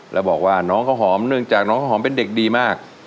แล้วบอกว่าน้องข้าวหอมเนื่องจากน้องข้าวหอมเป็นเด็กดีมาก